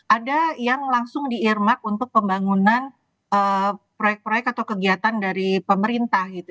ada yang langsung diirmat untuk pembangunan proyek proyek atau kegiatan dari pemerintah